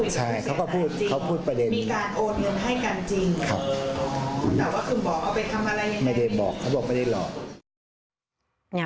ใช่เขาก็พูดประเด็นนี้